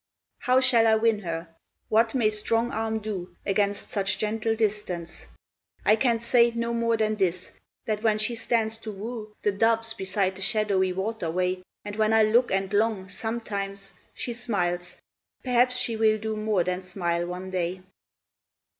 How shall I win her? What may strong arm do Against such gentle distance? I can say No more than this, that when she stands to woo The doves beside the shadowy waterway, And when I look and long, sometimes she smiles Perhaps she will do more than smile one day!